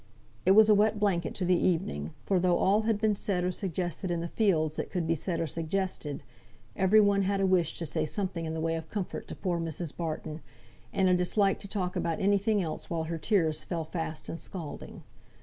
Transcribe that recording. It was a wet blanket to the evening; for though all had been said and suggested in the fields that could be said or suggested, every one had a wish to say something in the way of comfort to poor Mrs. Barton, and a dislike to talk about any thing else while her tears fell fast and scalding.